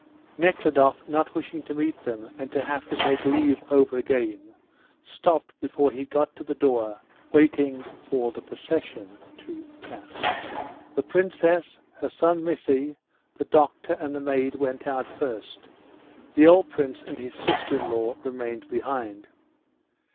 Nekhludoff not wishing to meet them and to have to take leave over again, stopped before he got to the door, waiting for the procession to pass. The Princess, her son, Missy, the doctor, and the maid went out first, the old Prince and his sister in law remained behind.